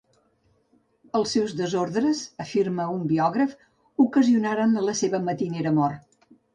Els seus desordres, afirma un biògraf, ocasionaren la seva matinera mort.